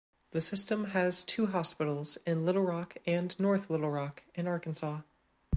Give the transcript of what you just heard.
The system has two hospitals in Little Rock and North Little Rock in Arkansas.